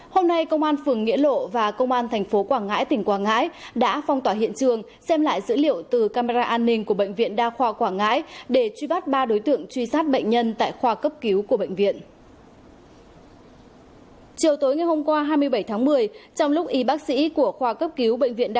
hôm nay công an phường nghĩa lộ và công an tp quảng ngãi tỉnh quảng ngãi đã phong tỏa hiện trường xem lại dữ liệu từ camera an ninh của bệnh viện đa khoa quảng ngãi để truy bắt ba đối tượng truy sát bệnh nhân tại khoa cấp cứu của bệnh viện